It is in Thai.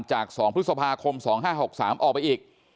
จาก๒พฤษภาคม๒๕๖๓ออกไปอีก